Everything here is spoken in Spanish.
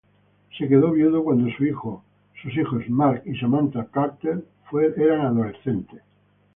Se quedó viudo cuando sus hijos, Mark y Samantha Carter eran adolescentes.